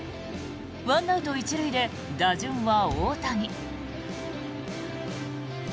１アウト１塁で打順は大谷。